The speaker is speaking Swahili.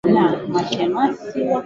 ndogo tu ya Shii ya Guiana Kwa hivyo kuna